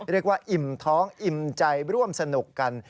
เรียกว่าอิ่มท้องอิ่มใจร่วมสนุกกัน